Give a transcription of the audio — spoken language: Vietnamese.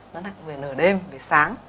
nó lại về nửa đêm về sáng